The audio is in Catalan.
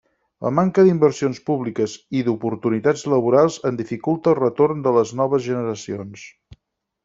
La manca d'inversions públiques i d'oportunitats laborals en dificulta el retorn de les noves generacions.